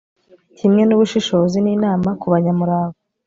kimwe n'ubushishozi n'inama ku banyamurava